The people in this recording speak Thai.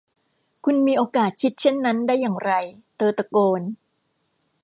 คุณมีโอกาสคิดเช่นนั้นได้อย่างไร เธอตะโกน